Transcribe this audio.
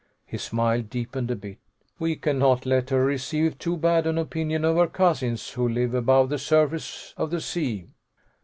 His smile deepened a bit. "We cannot let her receive too bad an opinion of her cousins who live above the surface of the sea!"